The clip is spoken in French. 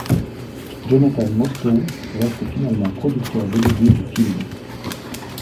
Jonathan Mostow reste finalement producteur délégué du film.